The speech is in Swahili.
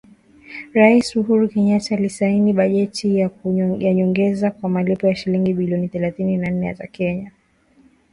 Rais Uhuru Kenyatta alisaini bajeti ya nyongeza kwa malipo ya shilingi bilioni thelathini na nne za Kenya kwa Mfuko wa Kodi ya Maendeleo ya Petroli.